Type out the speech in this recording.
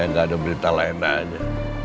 nggak ada berita lain lainnya